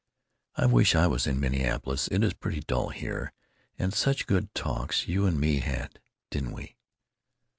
I wish I was in Minneapolis it is pretty dull here, & such good talks you and me had didn't we!